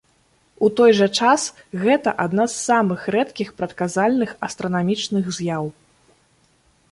У той жа час, гэта адна з самых рэдкіх прадказальных астранамічных з'яў.